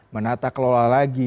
menata kelola lagi